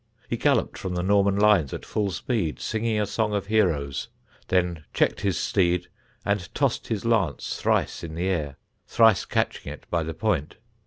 He galloped from the Norman lines at full speed, singing a song of heroes; then checked his steed and tossed his lance thrice in the air, thrice catching it by the point.